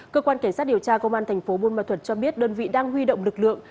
cơ quan cảnh sát điều tra công an thành phố buôn ma thuật cho biết đơn vị đang huy động lực lượng